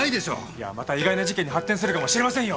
いやまた意外な事件に発展するかもしれませんよ。